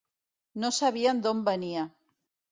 No sabien d’on venia.